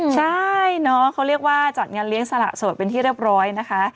ใช่เนาะเขาเรียกว่าจัดงานเลี้ยงสละโสดเป็นที่เรียบร้อยนะคะ